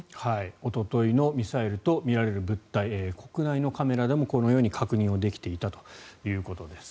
おとといのミサイルとみられる物体国内のカメラでもこのように確認できていたということです。